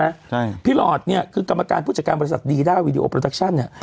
ใช่พี่หลอดเนี้ยคือกรรมการผู้จัดการบริษัทดีด้าวีดีโอโปรดักชั่นเนี้ย